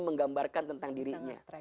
menggambarkan tentang dirinya